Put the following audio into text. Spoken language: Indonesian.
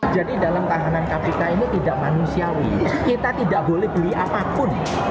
jadi dalam tahanan kpk ini tidak manusiawi kita tidak boleh beli apapun